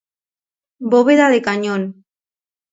Bóveda de cañón.